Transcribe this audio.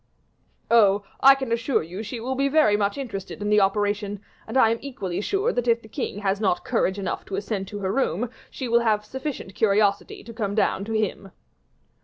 "Oh! I can assure you she will be very much interested in the operation, and I am equally sure that if the king has not courage enough to ascend to her room, she will have sufficient curiosity to come down to him."